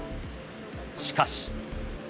しかし。